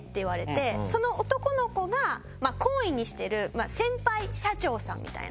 その男の子が懇意にしてる先輩社長さんみたいな。